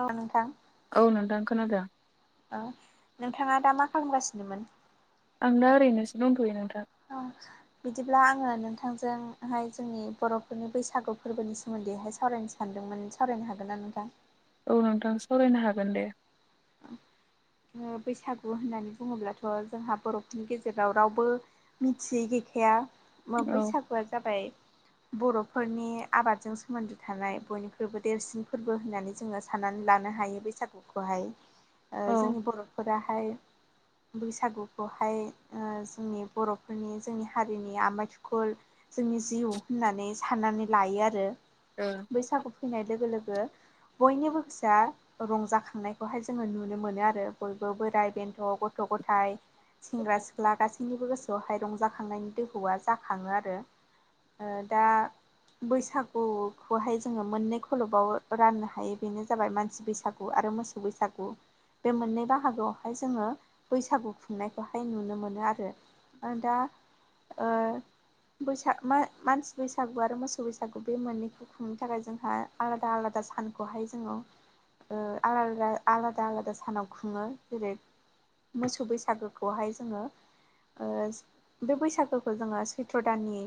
अ नोंथां औ नोंथां खोनादों ओ नोंथाङा दा मा खालामगासिनोमोन आं दा ओरैनोसो दथ'यो नोंथां अ बिदिब्ला आङो नोंथांजोंहाय जोंनि बर'फोरनि बैसागु फोरबोनि सोमोन्दैहाय सावरायनो [unintelligible] सानदोंमोन सावरायनो हागोनना नोंथां औ नोंथां सावरायनो हागोन दे ओ बैसागु होननानै बुङोब्लाथ' जोंहा बर'फोरनि गेजेराव रावबो मिथियै गैखाया मा औ बैसागुआ जाबाय बर'फोरनि आबादजों सोमोन्दो थानाय बयनिख्रुइबो देरसिन फोरबो होननानै जोङो सानानै लानो हायो बैसागुखौहाय ओ जोंनि बर'फोराहाय बैसागुखौहाय ओ जोंनि बर'फोरनि जोंनि हारिनि आमाइ थुखोल जोंनि जिउ होननानै साननानै लायो आरो बैसागु फैनाय लोगो लोगो बयनिबो गोसोआ रंजाखांनायखौहाय जोङो नुनो मोनो आरो बयबो बोराइ बेन्थ' गथ' गथाय सेंग्रा सिख्ला गासैनिबो गोसो दहाय रंजाखांनायनि दोहौआ जाखाङो आरो ओ दा बैसागुखौहाय जोङो मोननै खलबाव राननो हायो बेनो जाबाय मानसि बैसागु आरो मोसौ बैसागु [unintelligible] बे मोननै बाहागोआवहाय जोङो बैसागु खुंनायखौहाय नुनो मोनो आरो ओ दा ओ बैसाग मा मानसि बैसागु आरो मोसौ बैसागु बे मोननै खुंनो थाखाय जोंहा आलादा आलादा सानखौहाय जोङो ओ आलादा आलादा आलादा सानाव खुङो जेरै मोसौ बैसागुखौहाय जोङो ओ बे बैसागोखौ जोङो सैत्र' दाननि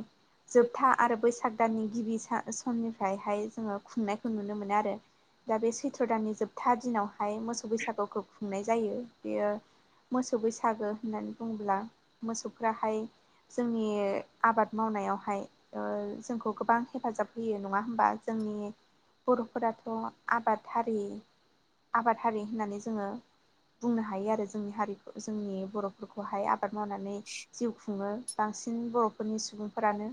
जोबथा आरो बैसाग दाननि गिबि सा साननिफ्रायहाय जोङो खुंनायखौ नुनो मोनो आरो दा बे सैथ्र दाननि जोबथा दिनाव हाय मोसौ बैसागुखौ खुंनाय जायो बेयो मोसौ बैसागु होननानै बुङोब्ला मोसौफ्राहाय जोंनि आबाद मावनायावहाय ओ जोंखौ गोबां हेफाजाब होयो नङा होमबा जोंनि बर'फोराथ' आबादहारि आबाद हारि होननानै जोङो बुंनो हायो आरो जोंनि हारिखौ जोंनि बर' फोरखौहाय आबाद मावनानै जिउ खुङो बांसिन बर'फोरनि सुबुंफोरानो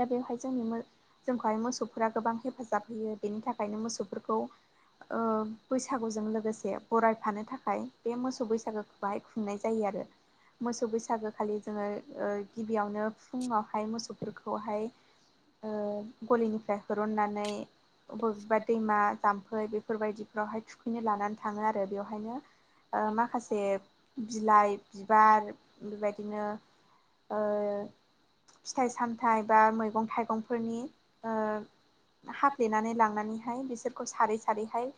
दा बेवहाय जोंनि मो जोंखौहाय मोसौफोरा गोबां हेफाजाब होयो बेनि थाखायनो मोसौफोरखौ ओ बैसागुजों लोगोसे बरायफानो थाखाय बे मोसौ बैसागुखौहाय खुंनाय जायो आरो मोसौ बैसागो खालि जोङो ओ गिबियावनो फुङावहाय मोसौफोरखौहाय ओ गलिनिफ्राय होरननानै बबेबा दैमा जाम्फै बेफोरबायदि [unintelligible] हाय थुखैनो लानानै थाङो आरो बेवहायनो ओ माखासे बिलाइ बिबार बेबायदिनो ओ फिथाइ सामथाइ बा मैगं थाइगंफोरनि ओ हाफ्लेनानै लांनानैहाय बिसोरखौ सारै सारैहाय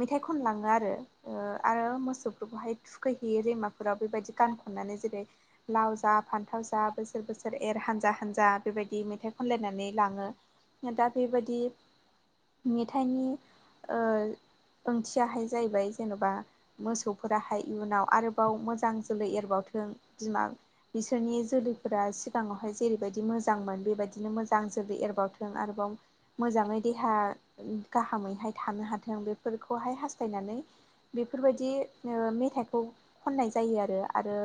मेथाइ खनलाङो आरो ओ आरो मोसौफोरखौहाय थुखैहैयो दैमाफोराव बेबायदि गान खननानै जेरै लाव जा फान्थाव जा बोसोर बोसोर एर हानजा हानजा बेबायदि मेथाइ खनलायनानै लाङो दा बेबायदि मेथाइनि ओ थियाहाय जाहैबाय जेन'बा मोसौफोराहाय इयुनाव आरोबाव मोजां जोलै एरबावथों बिमा बिसोरनि जोलैफोरा सिगाङावहाय जेरैबायदि मोजांमोन बेबायदिनो मोजां जोलै एरबावथों आरोबाव मोजाङै देहा गाहामैहाय थानो हाथों बेफोरखौहाय हास्थायनानै बेफोरबायदि मेथाइखौ खननाय जायो आरो। आरो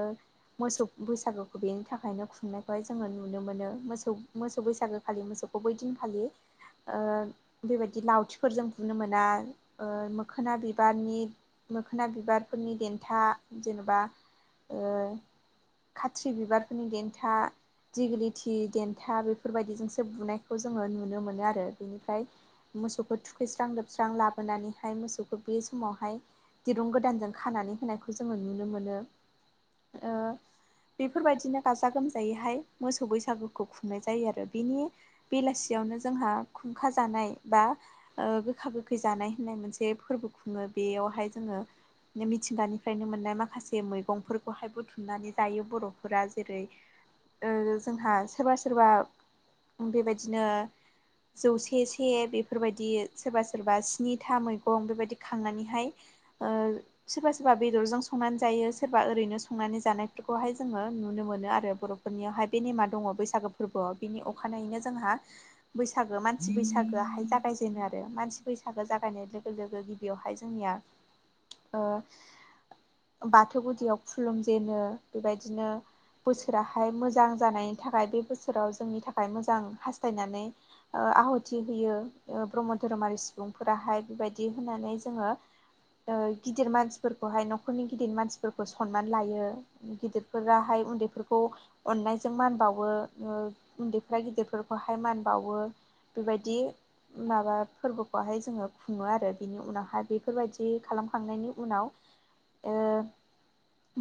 मोसौ बैसागुखौ बेनि थाखायनो खुंनायखौहाय जोङो नुनो मोनो। मोसौ मोसौ बैसागु खालि मोसौ बै दिनखालि ओ बेबायदि लावथिफोरजों बुनो मोना ओ मोखोना बिबारनि मोखोना बिबारफोरनि देन्था जेनेबा ओ खाथ्रि बिबारफोरनि देन्था दिगलिटि देन्था बे फोरबायदिजोंसो बुनायखौ जोङो नुनो मोनो आरो बेनिफ्राय मोसौखौ थुखैस्रां लोबस्रां लाब बोनानैहाय मोसौखौ बे समावहाय दिरुं गोदानजों खानानै होनायखौ जोङो नुनो मोनो। ओ बेफोरबायदिनो गाजा गोमजायैहाय मोसौ बैसागुखौ खुंनाय जायो आरो बिनि बेलासियावनो जोंहा खुंखा जानाय बा ओ गोखा गोखै जानाय होननाय मोनसे फोरबो खुङो बेयावहाय जोङो मिथिंगानिफ्रायनो मोननाय माखासे मैगंफोरखौहाय बुथुमनानै जायो बर'फोरा जेरै ओ जोंहा सोरबा सोरबा बेबायदिनो जौसे से बेफोरबायदि सोरबा सोरबा गिथा मैगं बेबायदि खांनानैहाय ओ सोरबा सोरबा बेदरजों संनानै जायो सोरबा ओरैनो संनानै जानायफोरखौहाय जोङो नुनो मोनो आरो बर' फोरनियावहाय बे नेमा दङ बैसागु फोरबोआव बिनि अखानायैनो जोंहा बैसागु मानसि बैसागुआहाय जागायजेनो आरो मानसि बै सागो जागायनाय लोगो लोगो गिबियावहाय जोंनिया ओ बाथौ गुदियाव खुलुमजेनो बेबायदिनो बोसोराहाय मोजां जानायनि थाखाय बे बोसोराव जोंनि थाखाय मोजां हास्थायनानै ओ आहुथि होयो ओ ब्रह्म धोरोमारि सुबुंफोराहाय बेबायदि होनानै जोङो ओ गिदिर मानसिफोरखौहाय न खरनि गिदिर मानसिफोरखौ सनमान लायो गिदिरफोराहाय उन्दैफोरखौ अननायजों मान बावो ओ उन्दैफ्रा गिदिरफोरखौहाय मान बावो बेबायदि माबा फोरबो नानै जोङो खुङो आरो बिनि उनावहाय बेफोरबायदि खालामखांनायनि उनाव ओ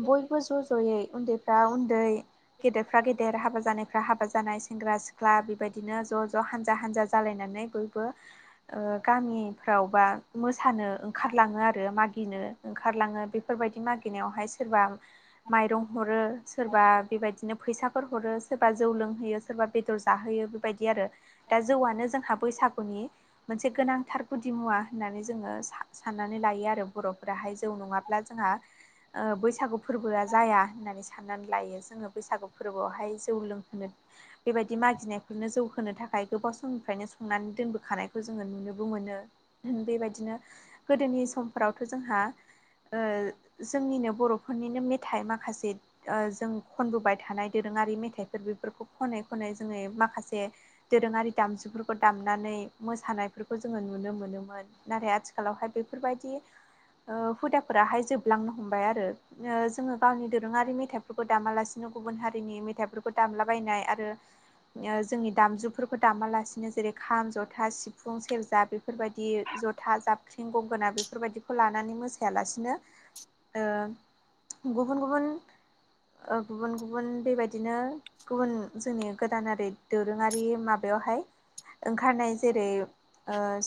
बयबो ज' ज'यै उन्दैफ्रा उन्दै गेदेरफ्रा गेदेर हाबा जानायफ्रा हाबा जानाय सेंग्रा सिख्ला बेबायदिनो ज' ज' हानजा हानजा जालायनानै बयबो ओ गामिफ्राव बा मोसानो ओंखारलाङो आरो मागिनो ओंखारलाङो बे फोरबायदि मागिनायावहाय सोरबा माइरं हरो सोरबा बेबायदिनो फैसाफोर हरो सोरबा जौ लोंहोयो सोरबा बेदर जाहोयो बेबायदि आरो दा जौआनो जोंहा बैसागुनि मोनसे गोनांथार गुदि मुवा होननानै जोङो सा-साननानै लायो आरो बर'फोराहाय जौ नङाब्ला जोंहा ओ बैसागु फोरबोआ जाया होननानै साननानै लायो जोङो बैसागु फोरबोआवहाय जौ लोंहोनो बेबायदि मागिनायफोरनो जौ होनोनो थाखाय गोबाव समनिफ्रायनो संनानै दोनबोखानाय खौ जोङो नुनोबो मोनो बेबायदिनो गोदोनि समफ्रावथ' जोंहा ओ जोंनिनो बर'फोरनिनो मेथाइ माखासे ओ जों खनबोबाय थानाय दोरोङारि मेथाइफोर बेफोरखौ खनै खनै जोङो माखासे दोरोङारि दामजुफोरखौ दामनानै मोसानायफोरखौ जोङो नुनो मोनोमोन नाथाय आथिखालावहाय बेफोरबायदि ओ हुदाफोराहाय जोबलांनो हमबाय आरो ओ जोङो गावनि दोरोङारि मेथाइफोरखौ दामालासिनो गुबुन हारिनि मेथाइफोरखौ दामलाबायनाय आरो यो जोंनि दामजुफोरखौ दामालासिनो जेरै खाम जथ था सिफुं सेरजा बेफोरबायदि जथा जाब गंगोना बेफोरबायदिखौ लानानै मोसायालासिनो ओ गुबुन गुबुन ओ गुबुन गुबुन बेबादि दिनो गुबुन जोंनि गोदानारि दोरोङारि माबायावहाय ओंखारनाय जेरै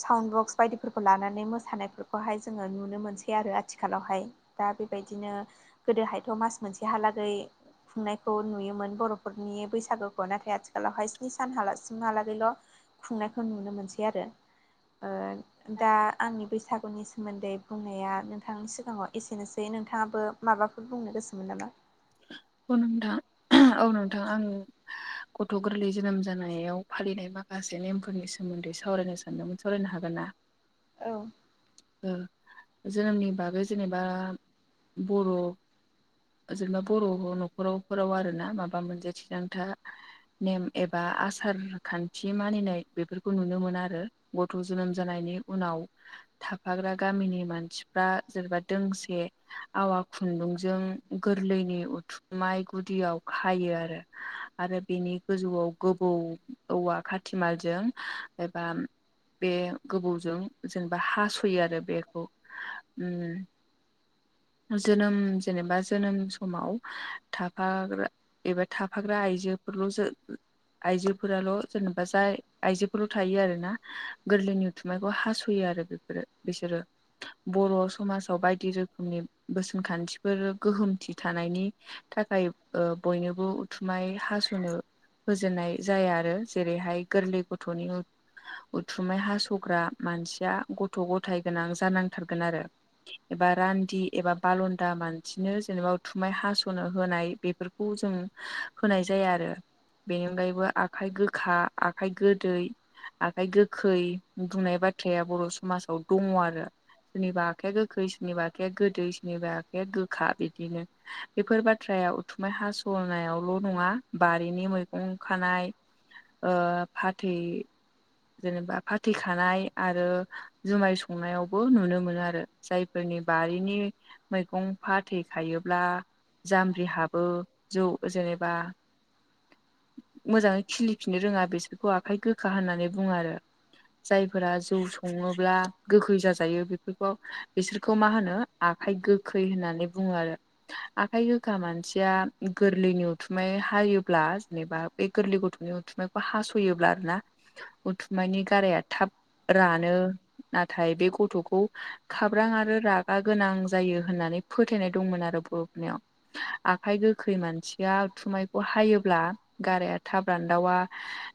साउन्ड बक्स बायदिफोरखौ लानानै मोसानायफोरखौहाय जोङो नुनो मोनसै आरो आथिखालावहाय दा बेबायदिनो गोदोहायथ' मास मोनसेहालागै खुंनायखौ नुयोमोन बर'फोरनि बैसागोखौ नाथाय आथिखालावहाय स्नि सानसिमहालागैल' खुंनायखौ नुनो मोनसै आरो दा आंनि बैसागुनि सोमोन्दै बुंनाया नोंथांनि सिगाङाव एसेनोसै नोंथाङाबो माबाफोर बुंनो गोसोमोन नामा औ नोंथां औ नोंथां आङो गथ' गोरलै जोनोम जानायाव फालिनाय माखासे नेमफोरनि सोमोन्दै सावरायनो सानदोंमोन सावरायनो हागोन ना? औ। जोनोमनि बागै जेनेबा बर' जेनेबा बर' न'खरावफोराव आरोना माबा मोनसे थिरांथा नेम एबा आसार खान्थि मानिनाय बेफोरखौ नुनो मोनो आरो गथ' जोनोम जानायनि उनाव थाफाग्रा गामिनि मानसिफ्रा जेनेबा दोंसे आवा खुन्दुंजों गोरलैनि थुमाइ गुदियाव हायो आरो। आरो बेनि गोजौआव गोबौ औवा खाथिमालजों एबा बे गोबौजों जेनेबा हास'यो आरो बेखौ जोनोम जेनेबा जोनोम समाव थाफाग्रा एबा थाफाग्रा आइजोफोरल' जो आइजोफोराल' जेनेबा जाय आइजोफोरल' थायो आरोना गोरलैनि थुमाइखौ हास'यो आरो बेफोरो बिसोरो बर' समाजाव बायदि रोखोमनि बोसोन खान्थिफोर गोहोमथि थानायनि थाखाय बयनोबो उथुमाय हास'नो होजेननाय जाया आरो जेरैहाय गोरलै गथ'नि उथुमाइ हास'ग्रा मानसिया गथ' गथाय गोनां जानांथारगोन आरो। एबा रान्दि एबा बालन्दा मानसिनो जेनेबा उथुमाय हासु नो होनाय बेफोरखौ जों होनाय जाया आरो बेनि अनगायैबो आखाइ गोखा आखाइ गोदै आखाय गोखै बुंनाय बाथ्राया बर' समाजाव दङ आरो सोरनिबा आखाइया गोखै सोरनिबा आखाइया गोदै सोरनिबा आखाइया गोखा बिदिनो बेफोर बाथ्राया उथुमाय हासहनायावल' नङा बारिनि मैगं खानाय फाथै जेनेबा फाथै खानाय आरो जुमाय संनायावबो नुनो मोनो आरो जायफोरनि बारिनि मैगं फाथैखायोब्ला जाम्ब्रिहाबो जौ जेनेबा मोजाङै खिलिफिननो रोङा बेसोरखौ आखाइ गोखा होननानै बुङो आरो। जायफोरा जौ सङोब्ला गोखै जाजायो बेफोरखौ बिसोरखौ मा होनो आखाइ गोखै होननानै बुङो आरो आखाइ गोखा मानसिया गोरलैनि उथुमाय हायोब्ला जेनेबा बे गोरलै गथ'नि उथुमायखौ हास'योब्ला आरोना उथुमायनि गाराया थाब रानो नाथाय बे गथ'खौ खाब्रां आरो रागा गोनां जायो होननानै फोथायनाय दंमोन आरो ब आखाइ गोखै मानसि उथुमायखौ हायोब्ला गाराया थाब रानदावा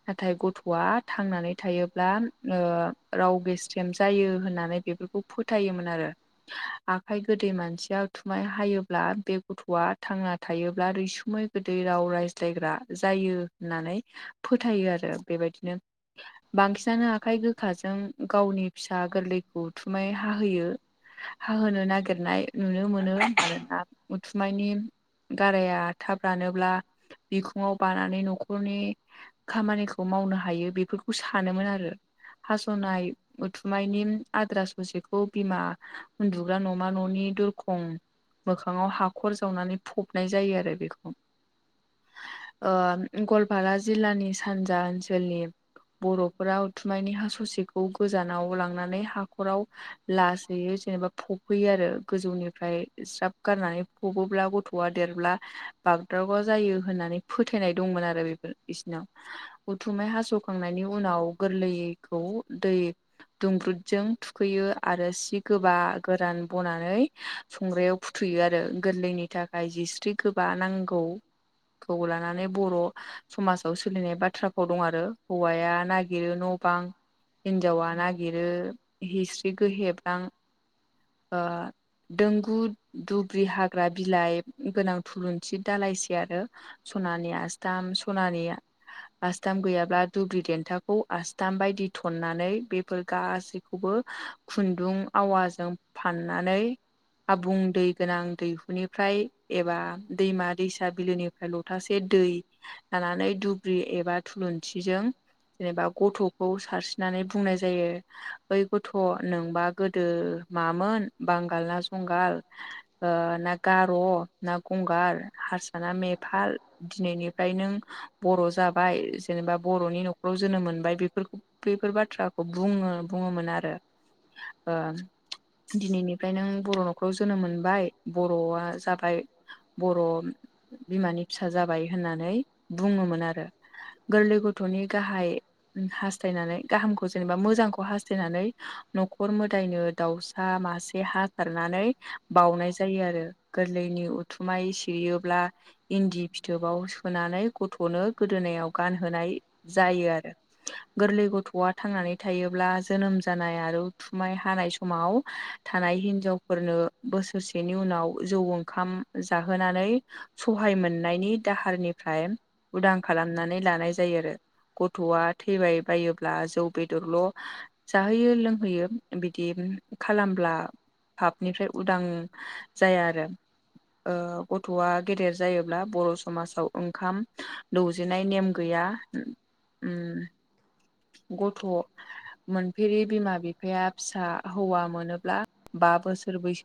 नाथाय गथ'आ थांनानै थायोब्ला राव बेस्टेम जायो होननानै बेफोरखौ फोथायोमोन आरो आखाइ गोदै मानसिया थुमाय हायोब्ला बे गथ'आ थांना थायोब्ला रैसुमै गोदै राव रायज्लायग्रा जायो होननानै फोथायो आरो बेबायदिनो बांसिनानो आखाइ गोखाजों गावनि फिसा गोरलैखौ उथुमाय हाहोयो। हाहोनो नागिरनाय नुनो मोनो मानोना उथुमायनि गाराया थाब रानोब्ला बिखुङाव बानानै न'खरनि खामानिखौ मावनो हायो बेफोरखौ सानोमोन आरो हास'नाय उथुमायनि आद्रा ससेखौ बिमा उन्दुग्रा न'मा न'नि दरखं बिफांआव हाखर जावनानै फबनाय जायो आरो बेखौ ओ गवालपारा जिल्लानि सानजा ओनसोलनि बर'फोरा उथुमायनि हा ससेखौ गोजानाव लांनानै हाखराव लासैैनो जेनेबा फबहैयो आरो गोजौनिफ्राय ज्राब गारनानै फबोब्ला गथ'आ देरब्ला बागदावग्रा जायो होननानै फोथायनाय दंमोन आरो बेफोर बिसोरनाव उथुमाय हास'खांनायनि उनाव गोरलैखौ दै दुंब्रुदजों थुखैयो आरो सि गोबा गोरान बनानै संग्रायाव फुथुयो आरो गोरलैनि थाखाय जिस्रि गोबा नांगौ खौ लानानै बर' समाजाव सोलिनाय बाथ्रा भाव दं आरो हौवाया नागिरो न' बां हिनजावा नागिरो हिस्ट्रिखौ हेबनां दों गु दुब्रि हाग्रा बिलाइ गोनां थुलुंसि दालायसे आरो सनानि आसथाम सनानि आसथाम गैयाब्ला दुब्रि देन्थाखौ आथाम बायदि थननानै बेफोर गासैखौ खौबो खुन्दुं आवाजों फाननानै आबुं दै गोनां दैहुनिफ्राय एबा दैमा दैसा बिलोनिफ्राय लथासे दै लानानै दुब्रि एबा थुलुंसिजों जेनेबा गथ'खौ सारस्रिनानै बुंनाय जायो ओइ गथ' नोंबा गोदो मामोन बांगाल ना जंगाल ओ ना गार' ना गंगार हारसा ना मेपाल दिनैनिफ्राय नों बर' जाबाय जेनेबा बर'नि न'खराव जोनोम मोनबाय बेफोरखौ बेफोर बाथ्राखौ बुङो बुङोमोन आरो ओ दिनैनिफ्राय नों बर' रावखौ जोनोम मोनबाय बर'आ जाबाय बर' बिमानि फिसा जाबाय होननानै बुङोमोन आरो गोरलै गथ'नि गाहाय हासथायनानै गाहामखौ जेनेबा मोजांखौ हास्थायनानै न'खर मोदायनो दाउ सा मासे हाथारनानै बाउनाय जायो आरो गोरलैनि उथुमाय सिरियोब्ला इन्दि फिथोबाव सोनानै गथ'नो गोदोनायाव गानहोनाय जायो आरो गोरलै गथ'आ थांनानै थायोब्ला जोनोम जानाय आरो उथुमाय हानाय समाव थानाय हिनजावफोरनो बोसोरसेनि उनाव जौ ओंखाम जाहोनानै सहाय मोननायनि दाहारनिफ्राय उदां खालामनानै लानाय जायो आरो गथ'आ थैबाय बायोब्ला जौ बेदरल' जाहोयो लोंहोयो बिदि खालामब्ला फाबनिफ्राय ओं जाया आरो गथ'आ गेदेर जायोब्ला बर' समाजाव ओंखाम दौजेनाय नेम गैया गथ' मोनफेरि बिमा बिफाया फिसा हौवा मोनोब्ला बा बोसोर बैसो